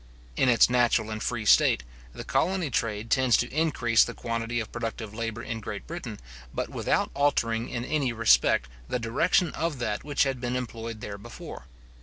In its natural and free state, the colony trade tends to increase the quantity of productive labour in Great Britain, but without altering in any respect the direction of that which had been employed there before.